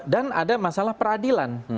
dan ada masalah peradilan